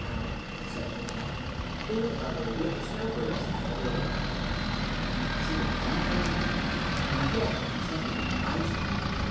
PART II PART II I TWO OTHER WINTER SNOWBIRDS AT A WINDOW "Do you see them coming, Elizabeth?" "Not yet except in my mind's eye."